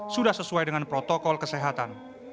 sudah sesuai dengan protokol kesehatan